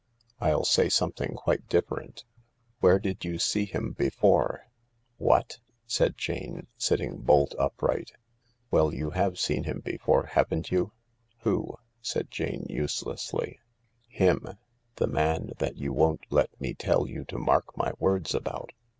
" I'll say something quite different. Where did you see him before ?"" What ?" said Jane, sitting bolt upright. " Well, you have seen him before, haven't you ?"" Who ?" said Jane uselessly. " Him. The man that you won't let me tell you to mark my words about.